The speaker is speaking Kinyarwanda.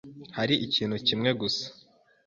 hari ikintu kimwe gusa